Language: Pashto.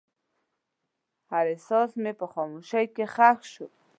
هر احساس مې په خاموشۍ کې ښخ شو.